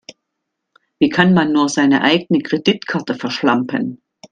Wie kann man nur seine eigene Kreditkarte verschlampen?